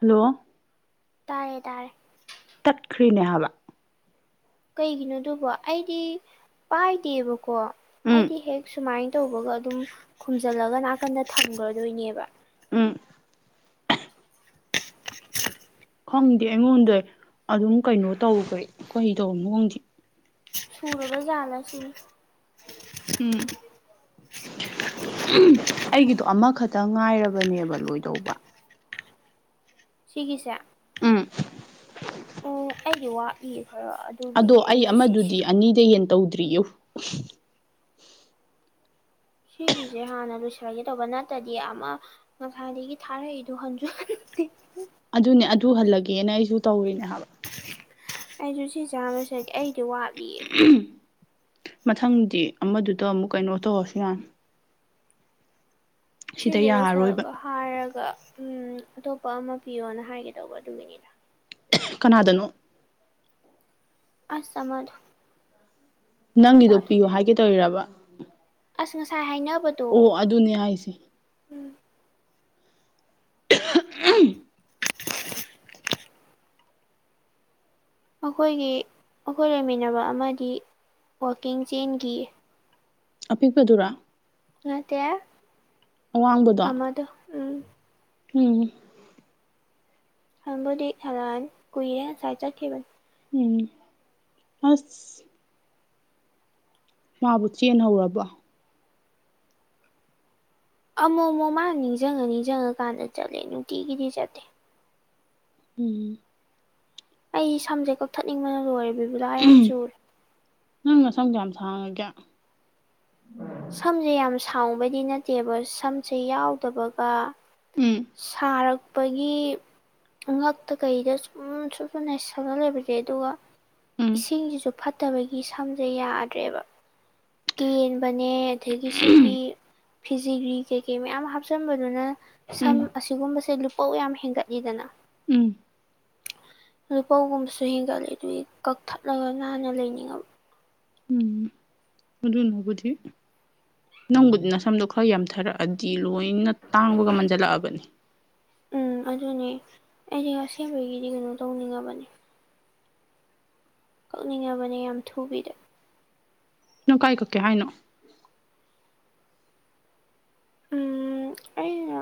hello ꯇꯥꯔꯦ ꯇꯥꯔꯦ ꯇꯠꯈ꯭ꯔꯤꯅꯦ ꯍꯥꯏꯕ ꯀꯩꯒꯤꯅꯣꯑꯗꯨꯕꯣ ꯑꯩꯗꯤ ꯄꯥꯏꯗꯦꯕꯀꯣ ꯎꯝ ꯑꯩꯗꯤ ꯍꯦꯛ ꯁꯨꯃꯥꯏꯟ ꯇꯧꯕꯒ ꯑꯗꯨꯝ ꯈꯨꯝꯖꯜꯂꯒ ꯑꯗꯨꯝ ꯅꯥꯀꯟꯗ ꯊꯝꯒ꯭ꯔꯗꯣꯏꯅꯦꯕ ꯎꯝ ꯈꯪꯗꯦ ꯑꯩꯉꯣꯟꯗꯩ ꯑꯗꯨꯝ ꯀꯩꯅꯣ ꯇꯧꯒ꯭ꯔꯦ ꯀꯩꯗꯧꯔꯤꯅꯣ ꯈꯪꯗꯦ ꯁꯨꯔꯕꯖꯥꯠꯂ ꯁꯤꯅꯤ ꯎꯝ ꯑꯩꯒꯤꯗꯣ ꯑꯃꯈꯛꯇꯪ ꯉꯥꯏꯔꯕꯅꯦꯕ ꯂꯣꯏꯗꯧꯕ ꯁꯤꯒꯤꯁꯦ ꯎꯝ ꯎꯝ ꯑꯩꯒꯤ ꯋꯥꯠꯂꯤ ꯈꯔ ꯑꯗꯣ ꯑꯗꯨꯒꯤꯅꯦ ꯑꯩ ꯑꯩꯅ ꯁꯤꯁꯦ ꯑꯃꯗꯨꯗꯤ ꯑꯅꯤꯗꯩ ꯍꯦꯟꯅ ꯇꯧꯗ꯭ꯔꯤꯌꯦ ꯁꯤꯒꯤꯁꯦ ꯍꯥꯟꯅ ꯂꯣꯏꯁꯤꯜꯂꯒꯦ ꯇꯧꯕ ꯅꯠꯇ꯭ꯔꯗꯤ ꯑꯃ ꯉꯁꯥꯏꯗꯒꯤ ꯊꯥꯔꯛꯏꯗꯣ ꯍꯟꯁꯨ ꯍꯟ ꯗꯦ ꯑꯗꯨꯅꯦ ꯑꯗꯨ ꯍꯜꯂꯒꯦꯅ ꯑꯩꯖꯨ ꯇꯧꯔꯤꯅꯦ ꯍꯥꯏꯕ ꯑꯩꯖꯨ ꯁꯤꯖꯦ ꯍꯥꯟꯅ ꯂꯣꯏꯁꯜꯂꯒꯦ ꯑꯩꯗꯤ ꯋꯥꯠꯂꯤꯌꯦ ꯃꯊꯪꯗꯤ ꯑꯃꯗꯨꯗ ꯑꯃꯨꯛ ꯀꯩꯅꯣ ꯇꯧꯔꯁꯨ ꯌꯥꯅꯤ ꯁꯤꯗ ꯁꯤꯖꯦ ꯌꯥꯔꯔꯣꯏꯕ ꯂꯣꯏꯁꯤꯜꯂꯒ ꯍꯥꯏꯔꯒ ꯎꯝ ꯑꯇꯣꯞꯄ ꯑꯃ ꯄꯤꯌꯣꯅ ꯍꯥꯏꯒꯦ ꯇꯧꯕ ꯑꯗꯨꯒꯤꯅꯤꯗ ꯀꯅꯥꯗꯅꯣ ꯑꯁ ꯑꯃꯗꯣ ꯅꯪꯒꯤꯗꯣ ꯅꯨꯄꯥꯗꯣ ꯄꯤꯌꯣ ꯍꯥꯏꯒꯦ ꯇꯧꯔꯤꯔꯕ ꯑꯁ ꯉꯁꯥꯏ ꯍꯥꯏꯅꯕꯗꯣ ꯑꯣ ꯑꯗꯨꯅꯦ ꯍꯥꯏꯁꯦ ꯎꯝ ꯑꯍꯨ ꯎꯝ [unintelligible] ꯑꯈꯣꯏꯒꯤ ꯑꯈꯣꯏ ꯂꯩꯃꯤꯟꯅꯕ ꯑꯃꯗꯤ ꯋꯥꯀꯤꯡ ꯆꯦꯟꯒꯤꯌꯦ ꯑꯄꯤꯛꯄꯗꯨꯔ ꯅꯠꯇꯦ ꯑꯋꯥꯡꯕꯗꯣ ꯑꯃꯗꯣ ꯎꯝ ꯎꯝ ꯍꯟꯕꯨꯗꯤ ꯍꯜꯂꯛꯑꯅꯤ ꯀꯨꯏꯔꯦ ꯉꯁꯥꯏ ꯆꯠꯈꯤꯕꯅꯤ ꯎꯝ ꯑꯁ ꯃꯕꯨ ꯆꯦꯟꯍꯧꯔꯕꯣ ꯑꯃꯨꯛ ꯃꯨꯛ ꯃꯥꯅ ꯅꯤꯡꯖꯪꯉ ꯅꯤꯡꯖꯪꯉ ꯀꯥꯟꯗ ꯆꯠꯂꯦ ꯅꯨꯡꯇꯤꯒꯤꯗꯤ ꯆꯠꯇꯦ ꯎꯝ ꯑꯩ ꯁꯝꯖꯦ ꯀꯛꯊꯠꯅꯤꯡꯕꯅ ꯂꯣꯏꯔꯦ ꯕꯤꯕꯨꯂ ꯌꯥꯝ ꯆꯨꯔꯦ ꯅꯪ ꯅꯁꯝ ꯀꯌꯥꯝ ꯁꯥꯡꯉꯒꯦ ꯁꯝꯖꯦ ꯌꯥꯝ ꯁꯥꯡꯉꯨꯕꯩꯗꯤ ꯅꯠꯇꯦꯕ ꯁꯝꯁꯦ ꯌꯥꯎꯗꯕꯒ ꯎꯝ ꯁꯥꯔꯛ ꯄꯒꯤ ꯉꯛꯇ ꯀꯩꯗ ꯁꯨꯝ ꯁꯨꯔꯨ ꯁꯨ ꯔꯨ ꯅꯩꯁꯤꯜꯂꯒ ꯂꯩꯕꯁꯦ ꯑꯗꯨꯒ ꯎꯝ ꯏꯁꯤꯡꯁꯤꯁꯨ ꯐꯠꯇꯕꯒꯤ ꯁꯝꯁꯦ ꯌꯥꯗ꯭ꯔꯦꯕ ꯀꯦꯟꯕꯅꯦ ꯑꯗꯒꯤ ꯁꯤꯒꯤ ꯐꯤꯖꯤꯒ꯭ꯔꯤ ꯀꯩ ꯀꯩ ꯃꯌꯥꯝ ꯍꯥꯞꯆꯟꯕꯗꯨꯅ ꯁꯝ ꯎꯝ ꯑꯁꯤꯒꯨꯝꯕꯁꯦ ꯂꯨꯄꯧ ꯌꯥꯝ ꯍꯦꯟꯒꯠꯂꯤꯗꯅ ꯎꯝ ꯂꯨꯄꯧꯒꯨꯝꯕꯁꯨ ꯍꯦꯟꯒꯠꯂꯤ ꯑꯗꯨꯒꯤ ꯀꯛꯊꯠꯂꯒ ꯅꯥꯟꯅ ꯂꯩꯅꯤꯡꯉꯕ ꯎꯝ ꯃꯗꯨꯅꯕꯨꯗꯤ ꯅꯪꯕꯨꯗꯤ ꯅꯁꯝꯗꯣ ꯈꯔ ꯌꯥꯝꯊꯔꯛꯑꯗꯤ ꯂꯣꯏꯅ ꯇꯥꯡꯕꯒ ꯃꯟꯖꯜꯂꯛꯑꯕꯅꯦ ꯎꯝ ꯑꯗꯨꯅꯦ ꯑꯩꯁꯦ ꯑꯁꯦꯡꯕꯒꯤꯗꯤ ꯀꯩꯅꯣ ꯇꯧꯅꯤꯡꯉꯕꯅꯤ ꯀꯛꯅꯤꯡꯉꯕꯅꯦ ꯌꯥꯝ ꯊꯨꯕꯤꯗ ꯅꯪ ꯀꯥꯏ ꯀꯛꯀꯦ ꯍꯥꯏꯅꯣ ꯎꯝ ꯑꯩꯅ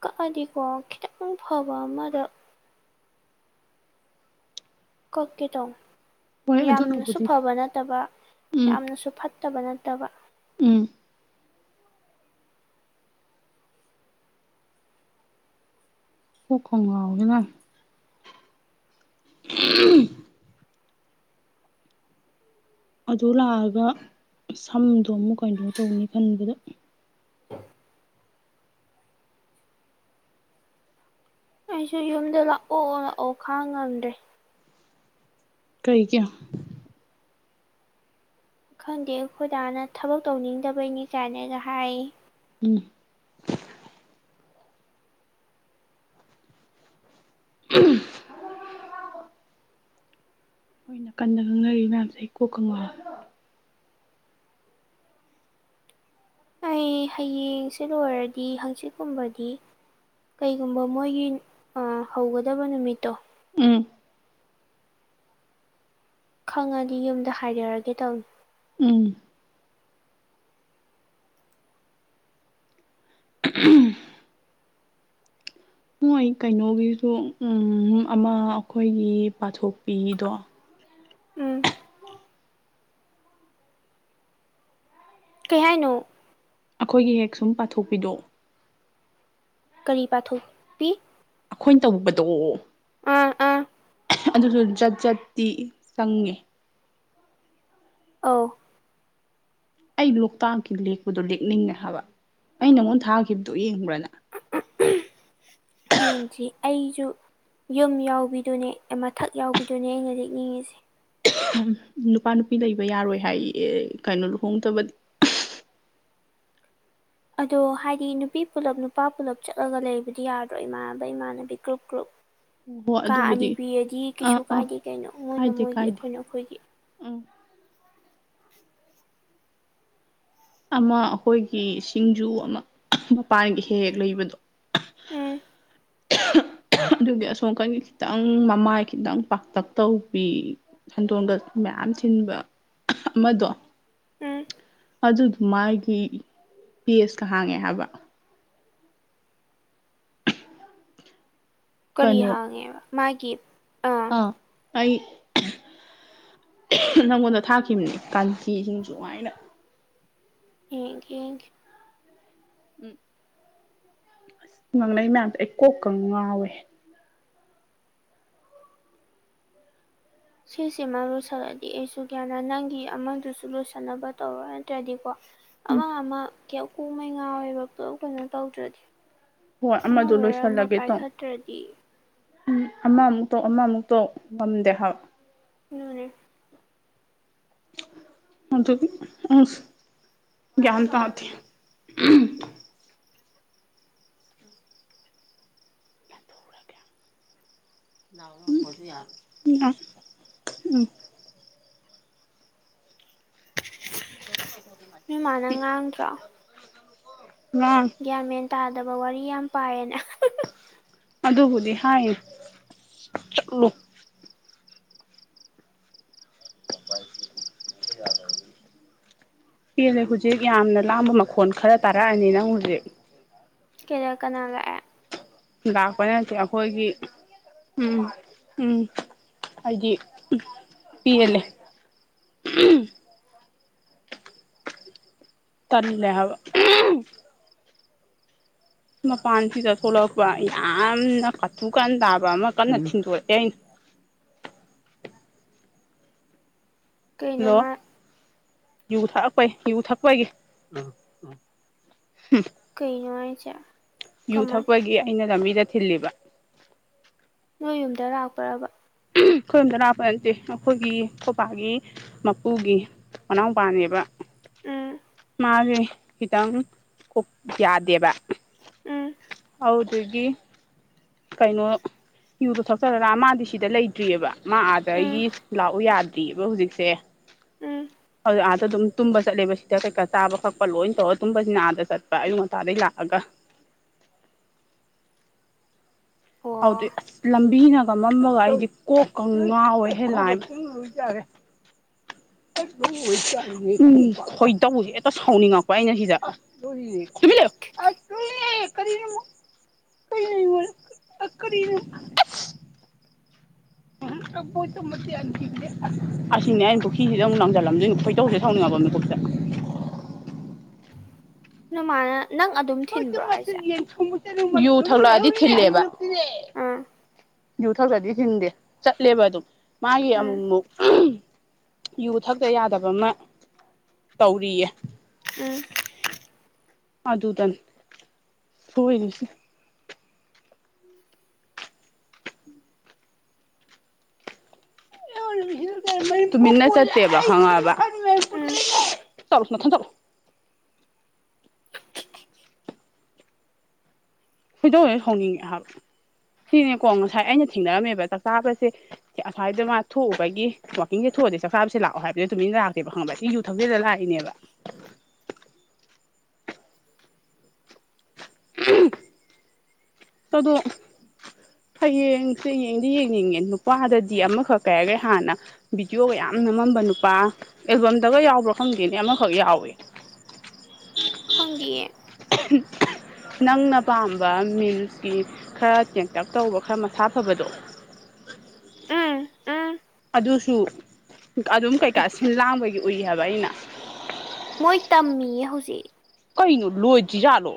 ꯀꯛꯑꯗꯤꯀꯣ ꯈꯤꯇꯪ ꯐꯕ ꯑꯃꯗ ꯀꯥꯛꯀꯦ ꯇꯧꯅꯤ ꯍꯣꯏ ꯌꯥꯝꯅꯁꯨ ꯑꯗꯨꯅꯕꯨꯗꯤ ꯐꯕ ꯅꯠꯇꯕ ꯎꯝ ꯌꯥꯝꯅꯁꯨ ꯐꯠꯇꯕ ꯅꯠꯇꯕ ꯎꯝ ꯀꯣꯛꯀ ꯉꯥꯎꯏꯗ ꯅꯪ [unintelligible] ꯑꯗꯨ ꯂꯥꯛꯑꯒ ꯁꯝꯗꯣ ꯑꯃꯨꯛ ꯀꯩꯅꯣ ꯇꯧꯅꯤ ꯈꯟꯕꯗ ꯑꯩꯁꯨ ꯌꯨꯝꯗ ꯂꯥꯛꯑꯣ ꯂꯥꯛꯑꯣ ꯈꯥꯡ ꯉꯝꯗ꯭ꯔꯦ ꯀꯩꯒꯤ ꯈꯪꯗꯦ ꯑꯩꯈꯣꯏꯗꯥꯅ ꯊꯕꯛ ꯇꯧꯅꯤꯡꯗꯕꯩꯅꯤ ꯀꯌꯥꯅꯒ ꯍꯥꯏꯌꯦ ꯎꯝ [unintelligible] ꯍꯣꯏ ꯅꯥ ꯀꯟꯗ ꯉꯥꯡꯅꯔꯤ ꯃꯌꯥꯝꯁꯦ ꯑꯩ ꯀꯣꯛꯀ ꯉꯧꯑꯦ ꯑꯩ ꯍꯌꯦꯡꯁꯤ ꯂꯣꯏꯔꯗꯤ ꯍꯪꯆꯤꯠꯀꯨꯝꯕꯗꯤ ꯀꯩꯒꯨꯝꯕ ꯃꯣꯏꯒꯤ ꯍꯧꯒꯗꯕ ꯅꯨꯃꯤꯠꯇꯣ ꯎꯝ ꯈꯪꯉꯗꯤ ꯌꯨꯝꯗ ꯍꯥꯏꯗꯔꯒꯦ ꯇꯧꯅꯦ ꯎꯝ [unintelligible] ꯃꯣꯏ ꯀꯩꯅꯣꯒꯤꯁꯨ ꯎꯝ ꯑꯃ ꯑꯩꯈꯣꯏꯒꯤ ꯄꯥꯊꯣꯛꯄꯤꯗꯣ ꯎꯝ ꯀꯩ ꯍꯥꯏꯅꯣ ꯑꯩꯈꯣꯏꯒꯤ ꯍꯦꯛ ꯁꯨꯝ ꯄꯥꯊꯣꯛꯄꯤꯗꯣ ꯀꯔꯤ ꯄꯥꯊꯣꯛꯄꯤ ꯑꯩꯈꯣꯏꯅ ꯇꯧꯕꯗꯣ ꯑꯥꯑꯥ ꯑꯗꯨꯁꯨ ꯖꯠ ꯖꯠꯇꯤ ꯆꯪꯉꯦ ꯑꯧ ꯑꯩ ꯂꯣꯛꯇꯥꯛꯀꯤ ꯂꯦꯛꯄꯗꯣ ꯂꯦꯛꯅꯤꯡꯉꯦ ꯍꯥꯏꯕ ꯑꯩ ꯅꯪꯉꯣꯟꯗ ꯊꯥꯈꯤꯕꯗꯣ ꯌꯦꯡꯕ꯭ꯔꯥ ꯅꯪ ꯌꯦꯡꯗꯔꯤ ꯑꯩꯁꯨ ꯌꯨꯝ ꯌꯥꯎꯕꯤꯗꯨꯅꯦ ꯃꯊꯛ ꯌꯥꯎꯕꯤꯗꯨꯅꯦ ꯑꯩꯅ ꯂꯦꯛꯅꯤꯡꯉꯤꯁꯦ ꯅꯨꯄꯥ ꯅꯨꯄꯤ ꯂꯩꯕ ꯌꯥꯔꯣꯏ ꯍꯥꯏꯌꯦ ꯀꯩꯅꯣ ꯂꯨꯍꯣꯡꯗꯕꯗꯤ ꯑꯗꯣ ꯍꯥꯏꯗꯤ ꯅꯨꯄꯤ ꯄꯨꯂꯞ ꯅꯨꯄꯥ ꯄꯨꯜꯂꯞ ꯆꯠꯂꯒ ꯂꯩꯕꯗꯤ ꯌꯥꯗ꯭ꯔꯣ ꯏꯃꯥꯟꯅꯕ ꯏꯃꯥꯟꯅꯕꯤ ꯒ꯭ꯔꯨꯞ ꯒ꯭ꯔꯨꯞ ꯍꯣꯏ ꯍꯣꯏ ꯀꯥ ꯑꯅꯤ ꯑꯗꯨꯕꯨꯗꯤ ꯄꯤꯔꯗꯤ ꯀꯩꯁꯨ ꯑꯥ ꯑꯥ ꯀꯥꯏꯗꯦ ꯀꯩꯅꯣ ꯃꯣꯏꯅ ꯀꯥꯏꯗꯦ ꯃꯣꯏꯒꯤ ꯀꯥꯏꯗꯦ ꯑꯩꯈꯣꯏꯅ ꯑꯩꯈꯣꯏꯒꯤ [inaudible] ꯎꯝ ꯑꯃ ꯑꯩꯈꯣꯏꯒꯤ ꯁꯤꯡꯖꯨ ꯑꯃ ꯃꯄꯥꯟꯒꯤ ꯍꯦꯛ ꯍꯦꯛ ꯂꯩꯕꯗꯣ ꯎꯝ ꯑꯗꯨꯗꯤ ꯑꯁꯣꯝꯀꯟꯒꯤ ꯈꯤꯇꯪ ꯃꯃꯥꯏ ꯈꯤꯇꯪ ꯄꯥꯛꯇꯛ ꯇꯧꯕꯤ ꯁꯟꯗꯣꯟꯒ ꯃꯌꯥꯝ ꯊꯤꯟꯕ ꯑꯃꯗꯣ ꯎꯝ ꯑꯗꯨꯗꯨ ꯃꯥꯒꯤ ꯄꯦꯁꯀ ꯍꯥꯡꯉꯦ ꯍꯥꯏꯕ ꯀꯔꯤ ꯀꯩꯅꯣ ꯍꯥꯡꯉꯦ ꯍꯥꯢꯕ ꯃꯒꯤ ꯑꯥ ꯑꯩ ꯅꯪꯉꯣꯟꯗ ꯊꯥꯛꯈꯤꯕꯅꯦ ꯀꯥꯟ ꯆꯤꯁꯤꯡꯁꯨ ꯋꯥꯥꯏꯅ ꯌꯦꯡꯒꯦ ꯌꯦꯡꯒꯦ ꯎꯝ ꯑꯁ ꯉꯥꯡꯅꯩ ꯃꯌꯥꯝꯁꯦ ꯑꯩ ꯀꯣꯛꯀ ꯉꯥꯎꯋꯦ ꯁꯤꯁꯤꯃ ꯂꯣꯏꯁꯤꯂꯗꯤ ꯑꯩꯁꯨ ꯒ꯭ꯌꯥꯅ ꯅꯪꯒꯤ ꯑꯃꯥꯡꯗꯨꯁꯨ ꯂꯣꯏꯁꯟꯅꯕ ꯇꯧꯔꯣ ꯅꯠꯇ꯭ꯔꯗꯤꯀꯣ ꯑꯃ ꯑꯃ ꯀ ꯥꯩ ꯀꯣꯛ ꯃꯩ ꯉꯥꯎꯋꯦꯕ ꯄꯂꯞ ꯀꯩꯅꯣ ꯇꯧꯗ꯭ꯔꯗꯤ ꯍꯣꯏ ꯑꯃ ꯑꯃꯗꯣ ꯑꯣꯏꯔ ꯑꯃ ꯄꯥꯏꯈꯠꯇ꯭ꯔꯗꯤ ꯎꯝ ꯑꯃꯥ ꯃꯨꯛꯇꯧ ꯑꯃꯥ ꯃꯨꯛꯇꯧ ꯉꯝꯗꯦ ꯍꯥꯢꯕ ꯑꯗꯨꯅꯦ ꯃꯗꯨ ꯑꯁ ꯒꯥꯟ ꯇꯗꯦ ꯎꯝ ꯎꯝ ꯅꯣꯏ ꯃꯥꯅ ꯉꯥꯡꯗ꯭ꯔꯣ [unintelligible] ꯉꯥꯡ ꯒ꯭ꯌꯥꯟ ꯃꯦꯟ ꯇꯥꯗꯕ ꯋꯥꯔꯤ ꯌꯥꯝ ꯄꯥꯏꯌꯦꯅ ꯗꯨꯕꯨꯗꯤ ꯍꯥꯏꯔꯤ ꯆꯥꯠꯂꯣ [unintelligible] ꯄꯦꯜꯂꯦ ꯍꯧꯖꯤꯛ ꯌꯥꯝꯅ ꯂꯥꯝꯕ ꯃꯈꯣꯟꯜ ꯈꯔ ꯇꯥꯔꯛꯑꯅꯤ ꯅꯪ ꯍꯧꯖꯤꯛ ꯀꯩꯗꯧ ꯀꯅꯥ ꯂꯛꯑꯦ ꯂꯥꯛꯄꯩ ꯅꯠꯇꯦ ꯑꯩꯈꯣꯏꯒꯤ ꯎꯝ ꯎꯝ ꯑꯩꯗꯤ ꯄꯦꯜꯂꯦ ꯎꯝ ꯇꯜꯂꯦ ꯍꯥꯏꯕ ꯎꯝ ꯃꯄꯥꯟꯁꯤꯗ ꯊꯣꯛꯂꯛꯄ ꯌꯥꯝꯅ ꯀꯊꯨꯀꯥꯟ ꯇꯥꯕ ꯑꯃ ꯀꯟꯅ ꯊꯤꯟꯗꯣꯔꯛꯑꯦ ꯑꯩꯅ [inaudible] ꯍꯜꯂꯣ ꯀꯩꯅꯣꯃ ꯌꯨ ꯊꯂꯛꯄꯩ ꯌꯨ ꯊꯛꯄꯒꯤ ꯎꯝ ꯎꯝ ꯎꯝ ꯀꯩꯩꯅꯣ ꯍꯥꯢꯁꯦ ꯌꯨ ꯊꯛꯄꯒꯤ ꯑꯩꯅ ꯂꯝꯕꯤꯗ ꯊꯤꯜꯂꯤꯕ ꯅꯣꯏ ꯌꯨꯝꯗ ꯂꯥꯛꯄ꯭ꯔꯕ ꯑꯩꯈꯣꯢ ꯌꯨꯝꯗ ꯂꯥꯛꯄ ꯅꯠꯇꯦ ꯑꯩꯈꯣꯏꯒꯤ ꯈꯣꯕꯥꯒꯤ ꯃꯄꯨꯒꯤ ꯃꯅꯥꯎꯄꯥꯅꯦꯕ ꯎꯝ ꯃꯥꯁꯦ ꯈꯤꯇꯪ ꯀꯣꯛ ꯌꯥꯗꯦꯕ ꯎꯝ ꯑꯗꯨꯗꯨꯒꯤ ꯀꯩꯅꯣ ꯌꯨ ꯗꯨ ꯊꯣꯛꯆꯜꯂꯒ ꯃꯥꯗꯤ ꯁꯤꯗ ꯂꯩꯇ꯭ꯔꯤꯑꯕ ꯃꯥ ꯑꯥꯗ ꯒꯤ ꯎꯝ ꯂꯥꯛꯎ ꯌꯥꯗ꯭ꯔꯤꯑꯕ ꯍꯧꯖꯤꯛꯁꯦ ꯎꯝ [unintelligible] ꯑꯗꯨꯝ ꯇꯨꯝꯕ ꯆꯠꯂꯦꯕ ꯁꯤꯗ ꯀꯩꯀꯥ ꯆꯥꯕ ꯀꯛꯄ ꯂꯣꯏ ꯇꯧꯔꯒ ꯇꯨꯝꯕꯁꯤꯅ ꯑꯗ ꯆꯠꯄ ꯑꯌꯨꯛ ꯉꯇꯥꯗꯩ ꯂꯥꯛꯑꯒ [inaudible] ꯑꯗꯨꯗꯨꯒꯤ ꯑꯣ ꯑꯁ ꯂꯝꯕꯤꯅꯒ ꯃꯝꯕꯒ ꯑꯩꯗꯤ ꯀꯣꯛꯀ ꯉꯥꯎꯋꯦ ꯂꯥꯢꯃꯥ ꯎꯝ ꯈꯣꯏꯗꯧ ꯍꯦꯛꯇ ꯁꯥꯎꯅꯤꯡꯉꯛꯄ ꯑꯩꯅ ꯁꯤꯗ ꯇꯨꯃꯤꯟ ꯂꯩꯌꯨ [unintelligible] [unintelligible] [inaudible] [unintelligible] ꯑꯁꯤꯅꯦ ꯑꯩꯅ ꯄꯨꯈꯤꯁꯤꯗ ꯑꯃꯨꯛ ꯂꯪꯁꯤꯜ ꯂꯝꯗꯣꯏꯅꯦ ꯈꯣꯏꯗꯧꯖꯦ ꯍꯦꯛ ꯁꯥꯎꯅꯤꯡꯉꯥꯛꯄ ꯃꯤꯀꯨꯞꯇ [inaudible] ꯅꯣꯏꯃꯥꯅ ꯅꯪ ꯑꯗꯨꯝ ꯊꯤꯟꯕ꯭ꯔꯣ ꯍꯥꯏꯁꯦ ꯌꯨ ꯊꯛꯂꯛꯑꯗꯤ ꯊꯤꯜꯂꯦꯕ ꯑꯥ ꯌꯨꯊꯛꯇ꯭ꯔꯗꯤ ꯊꯤꯟꯗꯦ ꯆꯠꯂꯦꯕ ꯑꯗꯨꯝ ꯃꯥꯒꯤ ꯎꯝ ꯑꯃꯨꯛꯃꯨꯛ ꯑꯍꯝ ꯌꯨ ꯊꯛꯇ ꯌꯥꯗꯕꯃ ꯇꯧꯔꯤꯌꯦ ꯎꯝ ꯑꯗꯨꯗꯟ ꯁꯣꯏꯔꯤꯁꯤ ꯇꯨꯃꯤꯟꯅ ꯆꯠꯇꯦꯕ ꯈꯪꯉꯕ ꯑꯁ ꯎꯝ ꯆꯠꯂꯣ ꯅꯊꯟ ꯆꯠꯂꯣ ꯈꯣꯏꯗꯧ ꯍꯦꯛ ꯁꯥꯎꯅꯤꯡꯉꯛꯑꯦ ꯍꯥꯏꯕ ꯁꯤꯅꯦꯀꯣ ꯉꯁꯥꯏ ꯑꯩꯅ ꯊꯦꯡꯅꯔꯝꯃꯦꯕ ꯆꯥꯛ ꯆꯥꯕꯖꯦ ꯑꯁꯏꯗ ꯃꯥ ꯊꯣꯛꯎꯕꯒꯤ ꯋꯥꯛꯀꯤꯡꯖꯦ ꯊꯣꯛ ꯊꯣꯛꯑꯗꯤ ꯆꯥꯛ ꯆꯥꯕꯖꯦ ꯂꯥꯛꯑꯣ ꯍꯥꯏꯕꯖꯦ ꯇꯨꯃꯤꯟꯅ ꯂꯥꯛꯇꯦꯕ ꯈꯪꯉꯕ꯭ꯔ ꯁꯤ ꯌꯨ ꯊꯛꯆꯤꯜꯂ ꯂꯥꯛꯏꯅꯦꯕ [inaudible] ꯎꯝ ꯑꯗꯣ ꯍꯌꯦꯡꯁꯦ ꯌꯦꯡꯗꯤ ꯌꯦꯡꯅꯤꯡꯉꯦ ꯅꯨꯄꯥꯗꯗꯤ ꯑꯃꯈꯛ ꯀꯩꯍꯥꯏꯒ꯭ꯔꯦ ꯍꯥꯟꯅ ꯚꯗꯤꯌꯣꯒ ꯌꯥꯝ ꯅꯝꯃꯝꯕ ꯅꯨꯄꯥ ꯑꯦꯜꯕꯝꯗꯒ ꯌꯥꯎꯕ꯭ꯔ ꯈꯪꯗꯦꯅꯦ ꯑꯃꯈꯛ ꯌꯥꯎꯋꯦ [inaudible] ꯈꯪꯗꯤꯌꯦ ꯑꯍꯝ ꯑꯍꯝ ꯅꯪꯅ ꯄꯥꯝꯕ ꯃꯤꯝꯁꯀꯤ ꯈꯔ ꯆꯦꯡꯇꯛ ꯇꯧꯕ ꯈꯔ ꯃꯁꯥ ꯐꯕꯗꯣ ꯎꯝ ꯎꯝ ꯑꯗꯨꯁꯨ ꯑꯗꯨꯝ ꯀꯩꯀꯥ ꯁꯤ ꯂꯥꯡꯕꯒꯤ ꯎꯏ ꯍꯥꯏꯕ ꯑꯩꯅ ꯃꯣꯏ ꯇꯝꯃꯤꯌꯦ ꯍꯧꯖꯤꯛ ꯀꯩꯅꯣ ꯂꯣꯏꯗ꯭ꯔꯤꯖꯥꯠꯂꯣ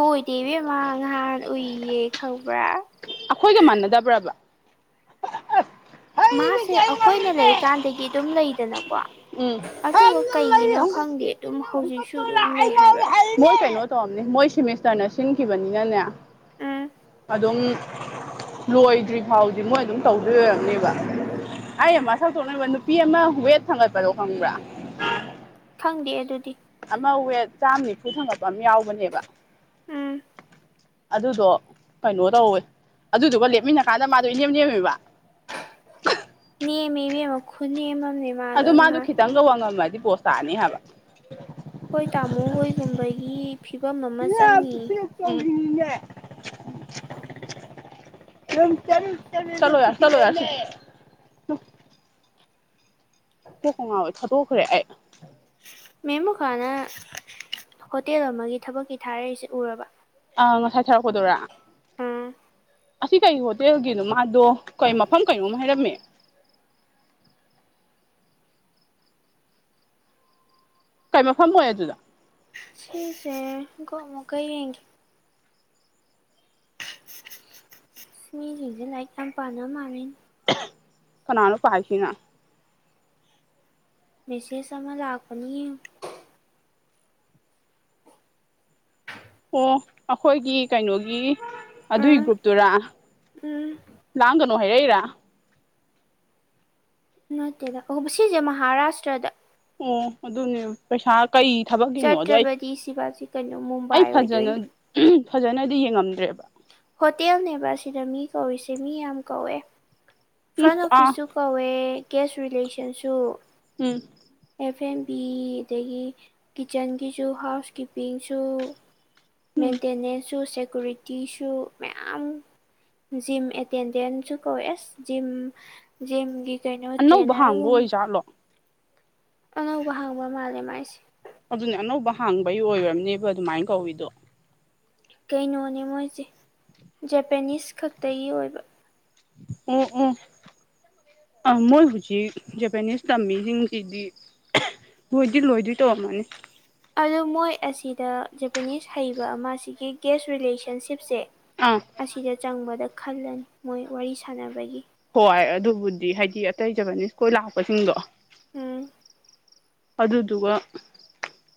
ꯂꯣꯏꯗꯦ ꯏꯕꯦꯝꯃ ꯉꯍꯥꯟ ꯎꯏꯌꯦ ꯈꯪꯕ꯭ꯔ ꯑꯈꯣꯏꯒ ꯃꯥꯟꯅꯗꯕ꯭ꯔꯕ ꯑꯩ ꯃꯥꯁꯦ ꯕꯤꯇꯤ ꯑꯩ ꯑꯈꯣꯏꯅ ꯉꯥꯎꯔꯤꯅꯦ ꯂꯩꯀꯟꯗꯒꯤ ꯑꯗꯨꯝ ꯂꯩꯗꯅꯀꯣ ꯎꯝ ꯑꯗꯨꯒ ꯀꯩꯒꯤꯅꯣ ꯈꯪꯗꯦ ꯑꯗꯨꯝ ꯍꯧꯖꯤꯛꯁꯨ ꯑꯗꯨꯝ ꯂꯩ ꯍꯥꯏꯕ ꯇꯣꯝꯅꯤ ꯃꯣꯏ ꯁꯦꯃꯤꯁꯇꯔꯅ ꯁꯤꯟꯈꯤꯕꯅꯤꯅꯅꯦ ꯎꯝ ꯑꯗꯨꯝ ꯂꯣꯏꯗ꯭ꯔꯤ ꯐꯥꯎꯗꯤ ꯃꯣꯏ ꯑꯗꯨꯝ ꯇꯧꯗꯣꯏ ꯑꯣꯏꯔꯝꯅꯤꯕ ꯑꯩꯅ ꯃꯁꯛ ꯊꯣꯛꯅꯦꯕ ꯅꯨꯄꯤ ꯑꯃ ꯋꯦꯠ ꯊꯥꯡꯒꯠꯄꯗꯣ ꯈꯪꯕ꯭ꯔ ꯈꯪꯗꯦ ꯑꯗꯨꯗꯤ ꯑꯃ ꯋꯦꯠ ꯆꯥꯝ ꯅꯤꯝꯐꯨ ꯊꯥꯡꯒꯠꯄ ꯑꯃ ꯌꯥꯎꯕꯅꯦꯕ ꯎꯝ ꯑꯗꯨꯗꯣ ꯀꯩꯅꯣ ꯇꯧꯋꯦ ꯑꯗꯨꯗꯨꯒ ꯂꯦꯞꯃꯤꯟꯅ ꯀꯟꯗ ꯃꯗꯣ ꯏꯅꯦꯝ ꯅꯦꯝꯃꯤꯕ ꯅꯦꯝꯃꯤ ꯏꯕꯦꯝꯃ ꯈꯨꯅꯦꯝꯃ ꯑꯗꯨ ꯃꯗꯣ ꯈꯤꯇꯪꯒ ꯋꯥꯡꯉꯝꯃꯗꯤ ꯄꯣꯁ ꯇꯅꯤ ꯍꯥꯏꯕ ꯈꯣꯏ ꯇꯃꯣ ꯍꯣꯏꯒꯨꯝꯕꯒꯤ ꯐꯤꯕꯝ ꯑꯃ ꯆꯪꯉꯤꯌꯦ [unintelligible] ꯆꯠꯂꯣ ꯌꯥꯔꯦ ꯆꯠꯂꯣ ꯌꯥꯔꯦꯁꯦ ꯆꯣ ꯀꯣꯛꯀꯥ ꯉꯥꯎꯋꯦ ꯊꯥꯗꯣꯛꯈ꯭ꯔꯦ ꯑꯩ ꯃꯦꯝꯃꯨꯈꯥꯅ ꯍꯣꯇꯦꯜ ꯑꯃꯒꯤ ꯊꯕꯛꯀꯤ ꯊꯥꯔꯛꯏꯁꯦ ꯎꯔꯕ ꯑꯥ ꯉꯁꯥꯏ ꯊꯥꯔꯛꯄꯗꯨꯔꯥ ꯎꯝ ꯑꯁꯤ ꯀꯩ ꯍꯣꯇꯦꯜꯒꯤꯅꯣ ꯃꯥꯗꯣ ꯀꯩ ꯃꯐꯝ ꯀꯩꯅꯣꯝꯃꯥ ꯍꯥꯏꯔꯝꯃꯦ [inaudible] ꯀꯩ ꯃꯐꯝ ꯑꯣꯏ ꯑꯗꯨꯗ ꯁꯤꯁꯦ ꯒꯣ ꯑꯃꯨꯛꯀ ꯌꯦꯡꯒꯦ ꯁꯤꯁꯤꯡꯁꯦ ꯂꯥꯏꯔꯤꯛ ꯌꯥꯝ ꯄꯥꯗ ꯃꯥꯜꯂꯤꯅꯦ ꯎꯍꯝ ꯀꯅꯥꯅꯣ ꯄꯥꯢꯁꯤꯅ ꯃꯦꯁꯦꯁ ꯑꯃ ꯂꯥꯛꯄꯅꯤ ꯌꯦꯡꯉꯨ ꯑꯣ ꯑꯩꯈꯣꯏꯒꯤ ꯀꯩꯅꯣꯒꯤ ꯑꯗꯨꯏ ꯎꯝ ꯒ꯭ꯔꯨꯞꯇꯨꯔꯥ ꯎꯝ ꯅꯣ ꯍꯥꯏꯔꯛꯏꯔꯥ ꯅꯠꯇꯦꯗ ꯑꯣ ꯁꯤꯁꯦ ꯃꯍꯥꯔꯥꯁꯇ꯭ꯔꯗ ꯑꯣ ꯑꯗꯨꯅꯦ ꯄꯩꯁꯥꯥ ꯀꯩ ꯊꯕꯛꯀꯤꯅꯣꯗꯣ ꯑꯩ ꯆꯠꯇ꯭ꯔꯕꯗꯤ ꯁꯤꯕꯥꯁꯤ ꯀꯩꯅꯣ ꯑꯩ ꯃꯨꯝꯕꯥꯏ ꯐꯖꯅ ꯑꯣꯏꯗꯣꯏꯅꯤ ꯍꯝ ꯐꯖꯅꯗꯤ ꯌꯦꯡꯉꯝꯗ꯭ꯔꯦꯕ ꯍꯣꯇꯦꯜꯅꯦꯕ ꯁꯤꯗ ꯃꯤ ꯀꯧꯔꯤꯁꯦ ꯃꯤ ꯌꯥꯝ ꯀꯧꯑꯦ ꯎꯝ ꯐ꯭ꯔꯟ ꯑꯥ ꯑꯣꯐꯤꯁꯁꯨ ꯀꯧꯋꯦ ꯒꯦꯁ ꯔꯤꯂꯦꯁꯟꯁꯨ ꯎꯝ ꯑꯦꯐ ꯑꯦꯝꯕꯤ ꯑꯗꯒꯤ ꯀꯤꯠꯆꯟꯒꯤꯁꯨ ꯍꯥꯎꯁ ꯀꯤꯞꯄꯤꯡꯁꯨ ꯎꯝ ꯃꯦꯟꯇꯦꯅꯦꯟꯁꯁꯨ ꯁꯦꯀꯨꯔꯤꯇꯤꯁꯨ ꯃꯌꯥꯝ ꯖꯤꯝ ꯑꯦꯇꯦꯟꯗꯦꯟꯁꯨ ꯀꯧꯋꯦ ꯑꯁ ꯖꯤꯝ ꯖꯤꯝꯒꯤ ꯀꯩꯅꯣ ꯑꯅꯧꯕ ꯍꯥꯡꯕ ꯇ꯭ꯔꯦꯅꯔꯒꯨꯝ ꯑꯣꯏꯖꯥꯠꯂꯣ ꯑꯅꯧꯕ ꯍꯥꯡꯕ ꯃꯥꯜꯂꯦ ꯃꯥꯏꯁꯦ ꯑꯗꯨꯅꯦ ꯑꯅꯧꯕ ꯍꯥꯡꯕꯒꯤ ꯑꯣꯏꯔꯝꯅꯤꯕ ꯑꯗꯨꯃꯥꯏꯅ ꯀꯧꯋꯤꯗꯣ ꯀꯩꯅꯣꯅꯦ ꯃꯣꯏꯁꯦ ꯖꯄꯅꯤꯁ ꯈꯛꯇꯒꯤ ꯑꯣꯏꯕ ꯎꯝ ꯎꯝ ꯑꯥ ꯃꯣꯏ ꯍꯧꯖꯤꯛ ꯖꯄꯅꯤꯁ ꯇꯝꯃꯤꯁꯤꯡꯁꯤꯗꯤ ꯂꯣꯏꯗꯤ ꯂꯣꯏꯗꯣꯏ ꯇꯧꯔꯝꯃꯅꯤ ꯑꯗꯣ ꯃꯣꯏ ꯑꯁꯤꯗ ꯖꯄꯅꯤꯁ ꯍꯩꯕ ꯑꯃꯁꯤꯒꯤ ꯒꯦꯁ ꯔꯤꯂꯦꯁꯟꯁꯤꯞꯁꯦ ꯑꯥ ꯑꯁꯤꯗ ꯆꯪꯕꯗ ꯈꯜꯂꯅꯤ ꯃꯣꯏ ꯋꯥꯔꯤ ꯁꯥꯟꯅꯕꯒꯤ ꯍꯣꯏ ꯑꯗꯨꯕꯨꯗꯤ ꯍꯥꯏꯗꯤ ꯑꯇꯩ ꯖꯄꯞꯄꯥꯟꯅꯤꯁ ꯀꯣꯏ ꯂꯥꯛꯄꯁꯤꯡꯗꯣ ꯎꯝ ꯑꯗꯨꯗꯨꯒ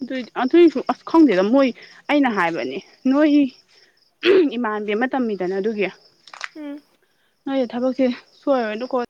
ꯑꯗꯨꯏ ꯑꯗꯨꯏꯁꯨ ꯑꯁ ꯈꯪꯗꯦꯗ ꯃꯣꯏ ꯑꯩꯅ ꯍꯥꯏꯕꯅꯦ ꯅꯣꯏ ꯎꯍꯝ ꯏꯃꯥꯟꯕꯤ ꯑꯃ ꯇꯝꯃꯤꯗꯅ ꯑꯗꯨꯒꯤ ꯎꯝ ꯅꯣꯏꯁ ꯊꯕꯛꯁꯦ ꯁꯣꯏꯔꯣꯏ ꯑꯗꯨꯀꯣ